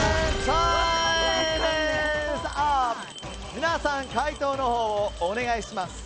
皆さん回答のほうをお願いします。